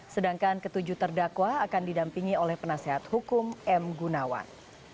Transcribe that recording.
sedangkan ketujuh terdakwa akan didampingi oleh penasehat hukum m gunawan